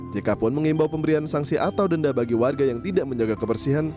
jk pun mengimbau pemberian sanksi atau denda bagi warga yang tidak menjaga kebersihan